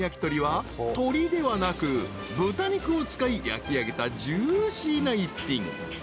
［鶏ではなく豚肉を使い焼きあげたジューシーな一品］